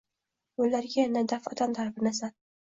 Ularga yana daf’atan talpinasan.